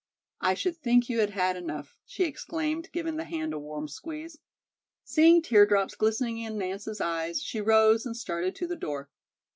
"I should think you had had enough," she exclaimed, giving the hand a warm squeeze. Seeing teardrops glistening in Nance's eyes, she rose and started to the door.